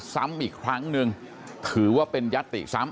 ซ้ำอีกครั้งหนึ่งถือว่าเป็นยัตติซ้ำ